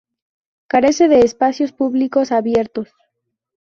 Carece de espacios públicos abiertos.